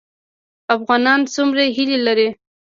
افغانان څومره هیلې لري؟